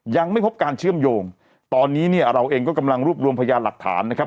ยังไม่พบการเชื่อมโยงตอนนี้เนี่ยเราเองก็กำลังรวบรวมพยานหลักฐานนะครับ